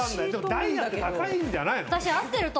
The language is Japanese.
ダイヤって高いんじゃないの？